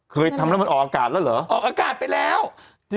เคยทำแล้วมันออกอากาศแล้วเหรอ